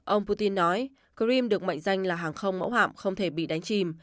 ông putin nói gream được mệnh danh là hàng không mẫu hạm không thể bị đánh chìm